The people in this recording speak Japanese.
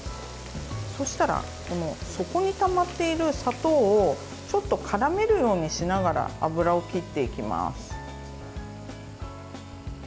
そうしたら底にたまっている砂糖をちょっと絡めるようにしながら油を切っていきます。